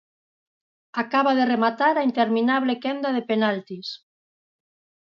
Acaba de rematar a interminable quenda de penaltis.